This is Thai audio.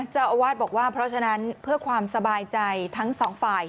เจ้าอาวาสบอกว่าเพราะฉะนั้นเพื่อความสบายใจทั้งสองฝ่าย